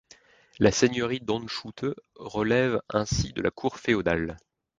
La seigneurie d'Hondschoote relève ainsi de la Cour féodale.